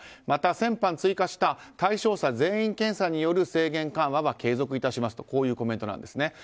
また、先般追加した対象者全員検査による制限緩和は継続致しますというコメントなんですね。